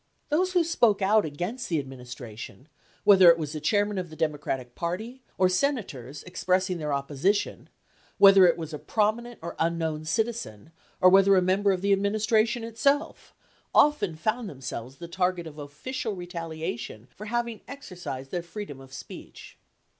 Those who spoke out against the administration, whether it was the chairman of the Democratic Party or Senators expressing their opposi tion, whether it was a prominent or unknown citizen, or whether a member of the administration itself, often found themselves the target of official retaliation for having exercised their freedom of speech.